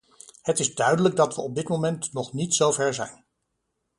Het is duidelijk dat we op dit moment nog niet zover zijn.